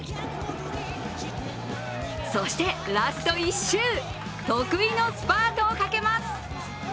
そしてラスト１周、得意のスパートをかけます。